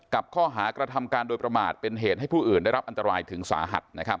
กับข้อหากระทำการโดยประมาทเป็นเหตุให้ผู้อื่นได้รับอันตรายถึงสาหัส